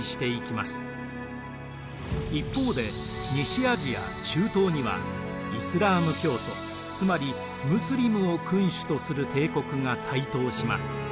一方で西アジア・中東にはイスラーム教徒つまりムスリムを君主とする帝国が台頭します。